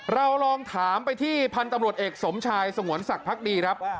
เราลองถามไปที่พันธุ์ตำรวจเอกสมชายสงวนศักดิ์พักดีครับ